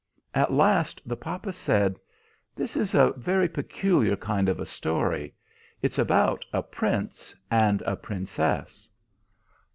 At last the papa said, "This is a very peculiar kind of a story. It's about a Prince and a Princess."